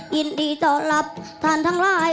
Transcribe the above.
ยินดีต้อนรับท่านทั้งหลาย